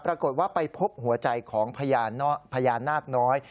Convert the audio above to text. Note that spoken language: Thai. ปรากฏว่าไปพบหัวใจของพญานาคน้อย